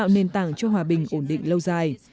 nền tảng cho hòa bình ổn định lâu dài